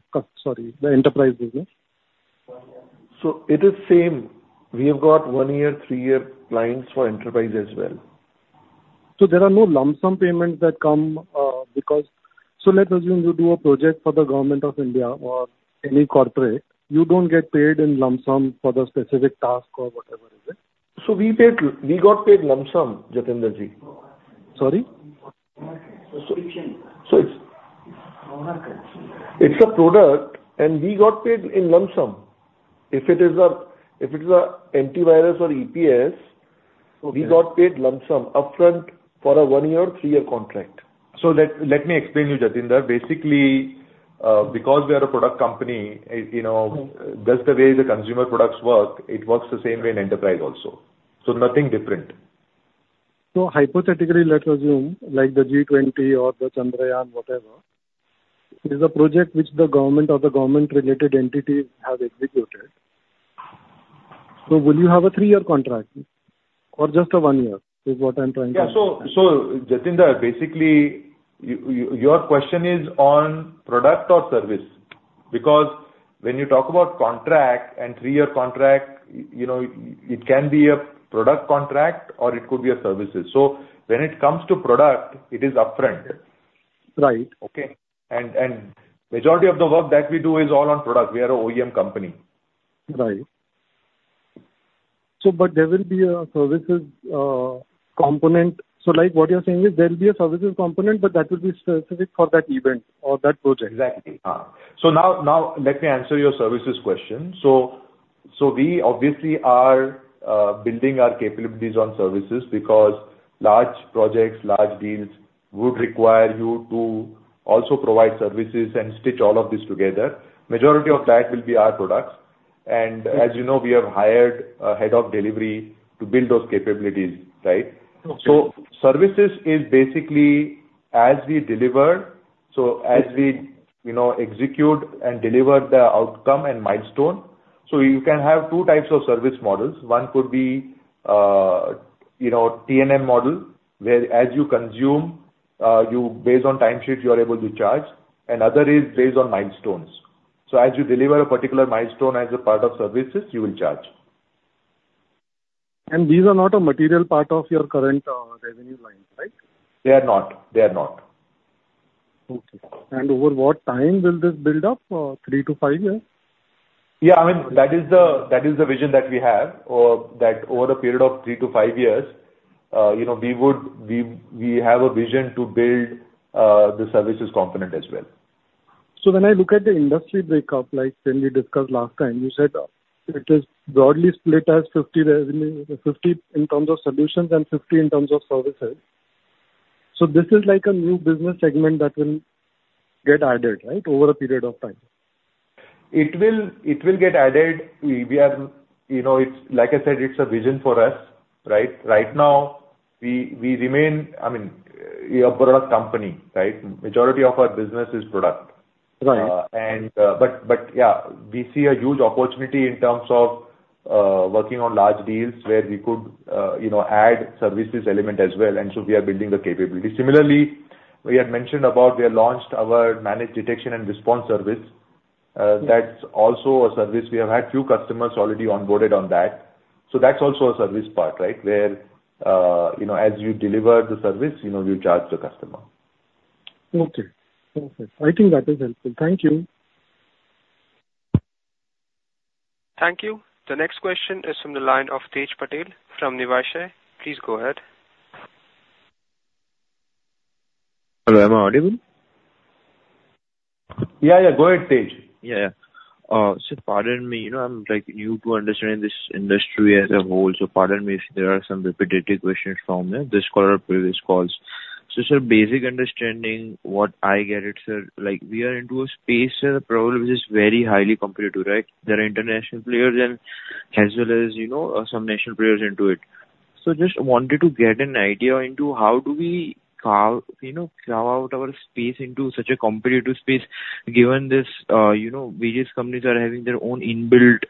sorry, the enterprise business? It is same. We have got 1-year, 3-year plans for enterprise as well. There are no lump sum payments that come, because so let's assume you do a project for the government of India or any corporate. You don't get paid in lump sum for the specific task or whatever, is it? We paid, we got paid lump sum, Jatinder Ji. Sorry? So it's a product, and we got paid in lump sum. If it is a antivirus or EPS we got paid lump sum upfront for a 1-year or 3-year contract. So let me explain to you, Jatinder. Basically, because we are a product company, you know, that's the way the consumer products work, it works the same way in enterprise also. So nothing different. So hypothetically, let's assume like the G20 or the Chandrayaan, whatever, is a project which the government or the government-related entities have executed. So will you have a 3-year contract or just a 1-year, is what I'm trying to ask? Yeah. So, Jatinder, basically, your question is on product or service? Because when you talk about contract and three-year contract, you know, it can be a product contract or it could be a services. So when it comes to product, it is upfront. Right. Okay? Majority of the work that we do is all on product. We are an OEM company. Right. So but there will be a services component. So like what you're saying is there will be a services component, but that will be specific for that event or that project? Exactly. So now let me answer your services question. So we obviously are building our capabilities on services because large projects, large deals would require you to also provide services and stitch all of this together. Majority of that will be our products. Okay. As you know, we have hired a head of delivery to build those capabilities, right? So services is basically as we deliver, so as we, you know, execute and deliver the outcome and milestone. So you can have two types of service models. One could be, you know, T&M model model, where as you consume, you, based on time sheet, you are able to charge, and other is based on milestones. So as you deliver a particular milestone as a part of services, you will charge. These are not a material part of your current revenue line, right? They are not. They are not. Okay. Over what time will this build up? 3-5 years? Yeah, I mean, that is the, that is the vision that we have. That over a period of 3-5 years, you know, we would, we, we have a vision to build, the services component as well. So when I look at the industry breakup, like when we discussed last time, you said it is broadly split as 50 revenue, 50 in terms of solutions and 50 in terms of services. So this is like a new business segment that will get added, right, over a period of time? It will, it will get added. We are, you know, it's like I said, it's a vision for us, right? Right now, we remain, I mean, a product company, right? Majority of our business is product. But yeah, we see a huge opportunity in terms of working on large deals where we could, you know, add services element as well, and so we are building the capability. Similarly, we had mentioned about we have launched our managed detection and response service. Okay. That's also a service. We have had few customers already onboarded on that. So that's also a service part, right? Where, you know, as you deliver the service, you know, you charge the customer. Okay. Perfect. I think that is helpful. Thank you. Thank you. The next question is from the line of Tej Patel from Niveshaay. Please go ahead. Hello, am I audible? Yeah, yeah, go ahead, Tej. Yeah, yeah. So pardon me, you know, I'm like new to understanding this industry as a whole, so pardon me if there are some repetitive questions from this call or previous calls. So just a basic understanding, what I get it, sir, like, we are into a space where the problem is very highly competitive, right? There are international players and as well as, you know, some national players into it. So just wanted to get an idea into how do we carve, you know, carve out our space into such a competitive space, given this, you know, various companies are having their own inbuilt,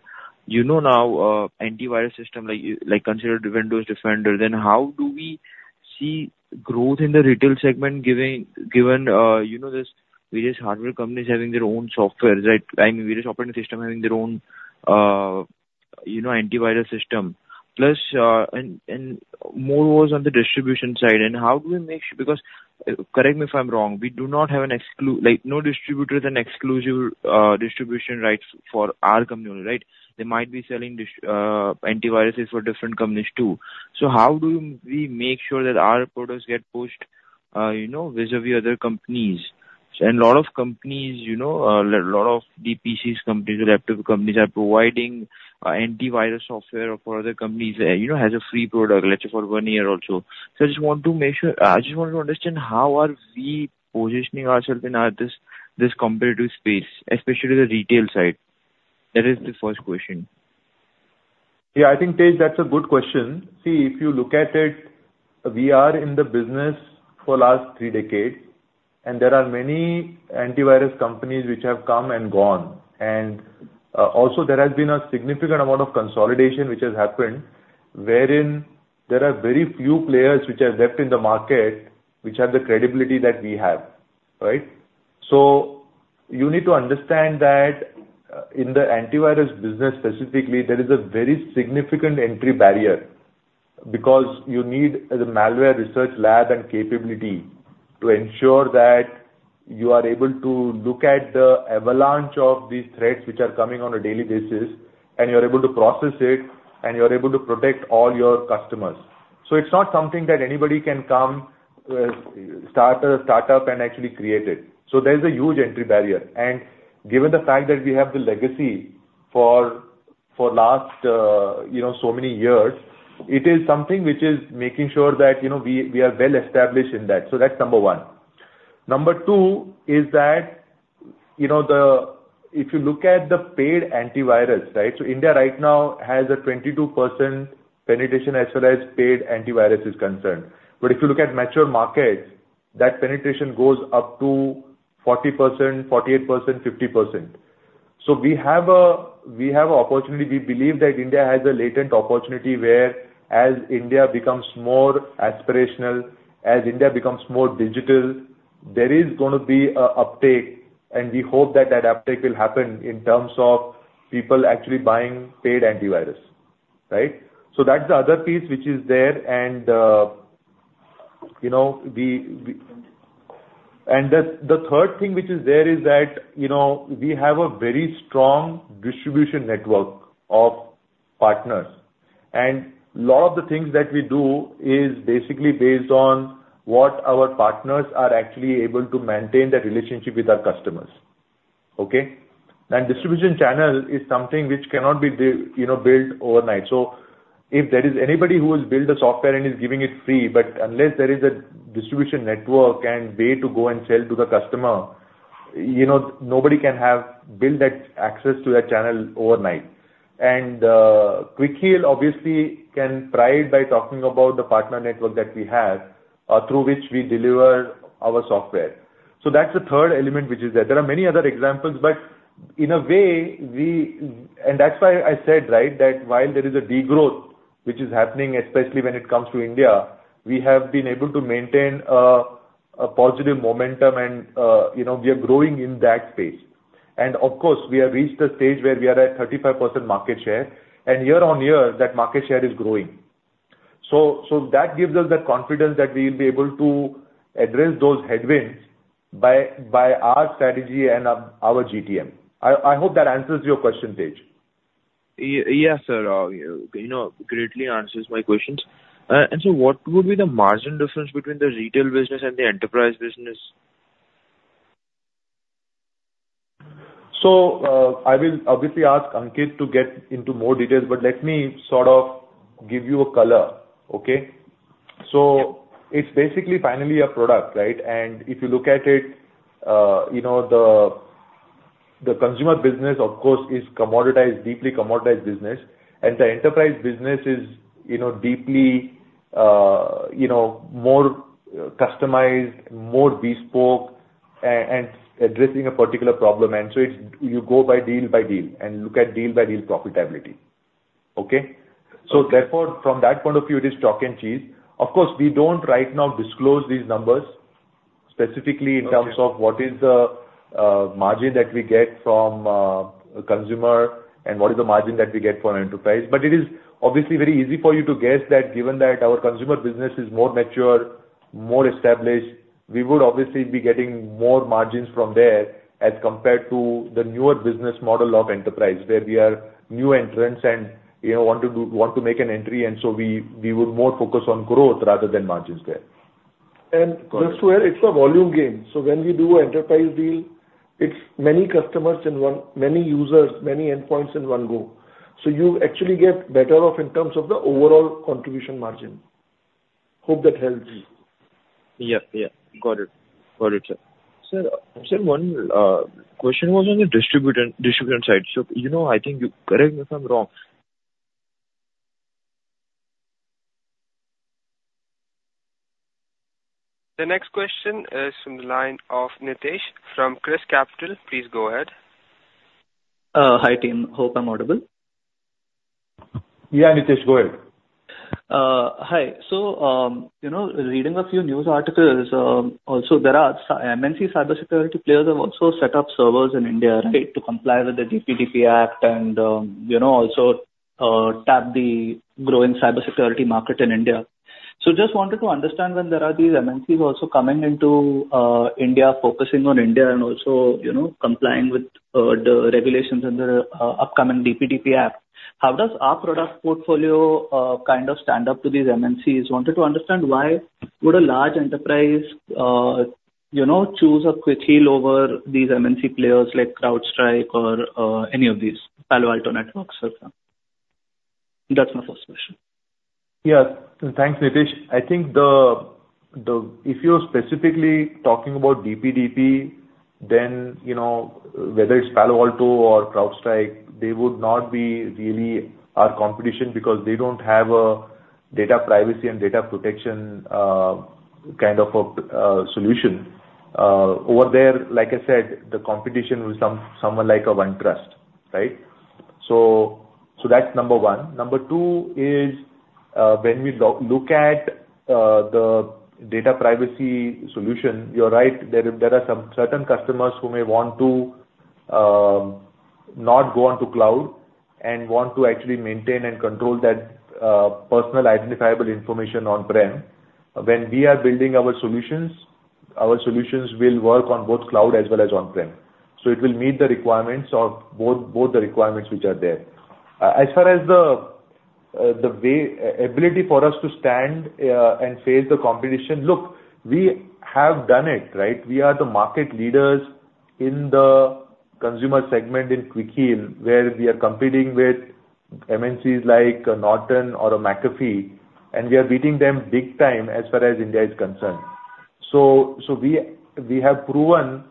you know, now, antivirus system, like, like consider Windows Defender, then how do we see growth in the retail segment, given, you know, this various hardware companies having their own software, right? I mean, various operating system having their own, you know, antivirus system. Plus, more was on the distribution side, and how do we make sure... Because, correct me if I'm wrong, we do not have an exclusive—like, no distributor with an exclusive, distribution rights for our company, right? They might be selling this, antiviruses for different companies too. So how do we make sure that our products get pushed, you know, vis-à-vis other companies? And a lot of companies, you know, lot of OEM companies, and other companies, are providing, antivirus software for other companies, you know, as a free product, let's say for one year or so. So I just want to make sure, I just want to understand how are we positioning ourselves in, this competitive space, especially the retail side? That is the first question. Yeah, I think, Tej, that's a good question. See, if you look at it, we are in the business for last three decades, and there are many antivirus companies which have come and gone. Also there has been a significant amount of consolidation which has happened, wherein there are very few players which are left in the market, which have the credibility that we have, right? So you need to understand that, in the antivirus business specifically, there is a very significant entry barrier, because you need the malware research lab and capability to ensure that you are able to look at the avalanche of these threats which are coming on a daily basis, and you're able to process it, and you're able to protect all your customers. So it's not something that anybody can come, start a startup and actually create it. So there's a huge entry barrier, and given the fact that we have the legacy for the last, you know, so many years, it is something which is making sure that, you know, we are well-established in that. So that's number one. Number two is that, you know, the, if you look at the paid antivirus, right? So India right now has a 22% penetration as far as paid antivirus is concerned. But if you look at mature markets, that penetration goes up to 40%, 48%, 50%. So we have an opportunity. We believe that India has a latent opportunity, whereas India becomes more aspirational, as India becomes more digital, there is gonna be an uptake, and we hope that that uptake will happen in terms of people actually buying paid antivirus, right? So that's the other piece which is there. And you know, and the third thing which is there is that, you know, we have a very strong distribution network of partners, and a lot of the things that we do is basically based on what our partners are actually able to maintain the relationship with our customers, okay? And distribution channel is something which cannot be, you know, built overnight. So if there is anybody who has built a software and is giving it free, but unless there is a distribution network and way to go and sell to the customer, you know, nobody can build that access to that channel overnight. And Quick Heal obviously can pride by talking about the partner network that we have through which we deliver our software. So that's the third element which is there. There are many other examples, but in a way, we and that's why I said, right, that while there is a degrowth which is happening, especially when it comes to India, we have been able to maintain a positive momentum and, you know, we are growing in that space. And of course, we have reached a stage where we are at 35% market share, and year-over-year, that market share is growing. So that gives us the confidence that we will be able to address those headwinds by our strategy and our GTM. I hope that answers your question, Tej. Yes, sir, you know, greatly answers my questions. And so what would be the margin difference between the retail business and the enterprise business? I will obviously ask Ankit to get into more details, but let me sort of give you a color, okay? It's basically finally a product, right? And if you look at it, you know, the consumer business, of course, is commoditized, deeply commoditized business. And the enterprise business is, you know, deeply, you know, more customized, more bespoke, and addressing a particular problem. And so it's, you go by deal by deal and look at deal by deal profitability. Okay? Okay. Therefore, from that point of view, it is chalk and cheese. Of course, we don't right now disclose these numbers specifically in terms of what is the margin that we get from consumer and what is the margin that we get from enterprise. But it is obviously very easy for you to guess that given that our consumer business is more mature, more established, we would obviously be getting more margins from there as compared to the newer business model of enterprise, where we are new entrants and, you know, want to make an entry, and so we would more focus on growth rather than margins there. Just where it's a volume game, so when we do an enterprise deal, it's many customers in one, many users, many endpoints in one go. You actually get better off in terms of the overall contribution margin. Hope that helps. Yeah, yeah. Got it. Got it, sir. Sir, sir, one question was on the distribution side. So, you know, I think you... Correct me if I'm wrong.... The next question is from the line of Nitish from ChrysCapital. Please go ahead. Hi, team. Hope I'm audible. Yeah, Nitish, go ahead. Hi. So, you know, reading a few news articles, also there are MNC cybersecurity players have also set up servers in India, to comply with the DPDP Act and, you know, also, tap the growing cybersecurity market in India. So just wanted to understand when there are these MNCs also coming into, India, focusing on India and also, you know, complying with, the regulations and the, upcoming DPDP Act, how does our product portfolio, kind of stand up to these MNCs? Wanted to understand why would a large enterprise, you know, choose a Quick Heal over these MNC players like CrowdStrike or, any of these, Palo Alto Networks, et cetera? That's my first one. Yeah. Thanks, Nitish. I think if you're specifically talking about DPDP, then, you know, whether it's Palo Alto or CrowdStrike, they would not be really our competition because they don't have a data privacy and data protection kind of a solution. Over there, like I said, the competition is someone like a OneTrust, right? So that's number one. Number two is, when we look at the data privacy solution, you're right, there are some certain customers who may want to not go onto cloud and want to actually maintain and control that personal identifiable information on-prem. When we are building our solutions, our solutions will work on both cloud as well as on-prem, so it will meet the requirements of both the requirements which are there. As far as the ability for us to stand and face the competition, look, we have done it, right? We are the market leaders in the consumer segment in Quick Heal, where we are competing with MNCs like Norton or McAfee, and we are beating them big time as far as India is concerned. So we have proven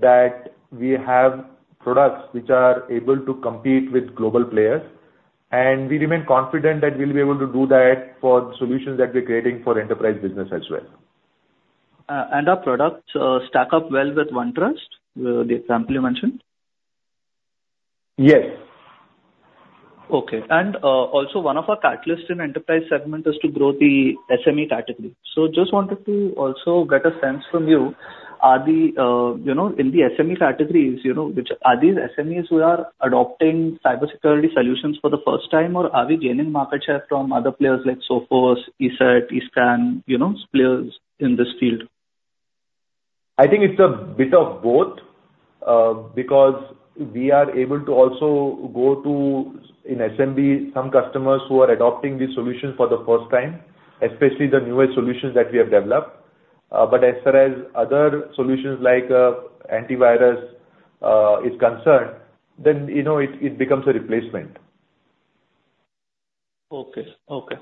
that we have products which are able to compete with global players, and we remain confident that we'll be able to do that for the solutions that we're creating for enterprise business as well. And our products stack up well with OneTrust, the example you mentioned? Yes. Okay. And, also one of our catalysts in enterprise segment is to grow the SME category. So just wanted to also get a sense from you, are the, you know, in the SME categories, you know, which are these SMEs who are adopting cybersecurity solutions for the first time, or are we gaining market share from other players like Sophos, ESET, eScan, you know, players in this field? I think it's a bit of both, because we are able to also go to, in SMB, some customers who are adopting these solutions for the first time, especially the newer solutions that we have developed. But as far as other solutions like, antivirus, is concerned, then, you know, it, it becomes a replacement. Okay. Okay.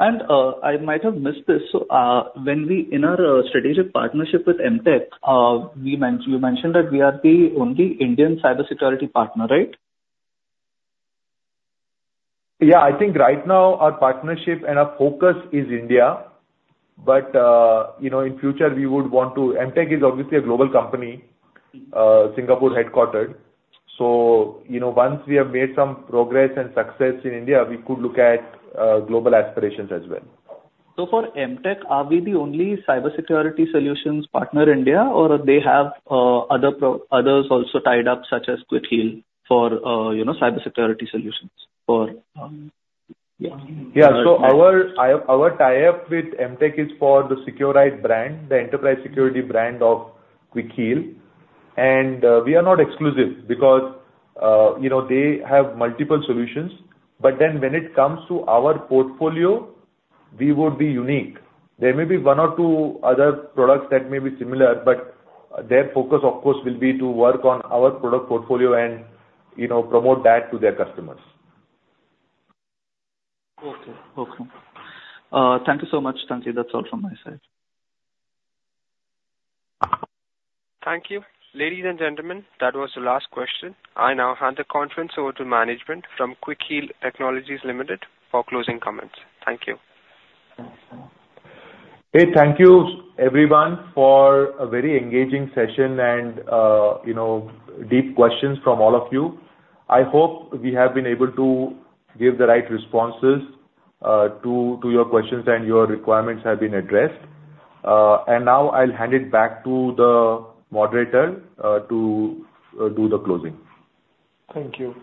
I might have missed this. When we, in our strategic partnership with M. Tech, you mentioned that we are the only Indian cybersecurity partner, right? Yeah. I think right now our partnership and our focus is India. But, you know, in future we would want to... M. Tech is obviously a global company, Singapore headquartered. So, you know, once we have made some progress and success in India, we could look at global aspirations as well. So for M. Tech, are we the only cybersecurity solutions partner in India, or they have others also tied up, such as Quick Heal, for you know, cybersecurity solutions for? Yeah. So our tie-up with M. Tech is for the Seqrite brand, the enterprise security brand of Quick Heal. And we are not exclusive because, you know, they have multiple solutions. But then when it comes to our portfolio, we would be unique. There may be one or two other products that may be similar, but their focus, of course, will be to work on our product portfolio and, you know, promote that to their customers. Okay. Okay. Thank you so much. That's all from my side. Thank you. Ladies and gentlemen, that was the last question. I now hand the conference over to management from Quick Heal Technologies Limited for closing comments. Thank you. Hey, thank you everyone for a very engaging session and, you know, deep questions from all of you. I hope we have been able to give the right responses to your questions and your requirements have been addressed. Now I'll hand it back to the moderator to do the closing. Thank you.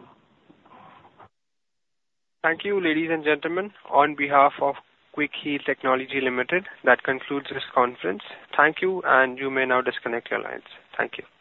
Thank you, ladies and gentlemen. On behalf of Quick Heal Technologies Limited, that concludes this conference. Thank you, and you may now disconnect your lines. Thank you.